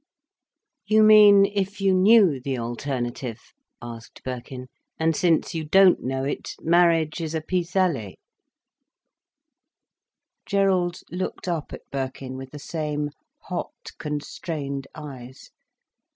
"You mean if you knew the alternative?" asked Birkin. "And since you don't know it, marriage is a pis aller." Gerald looked up at Birkin with the same hot, constrained eyes.